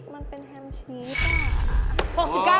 มันเป็นแฮมชีสป่ะ